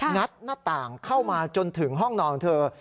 ัดหน้าต่างเข้ามาจนถึงห้องนอนของเธอ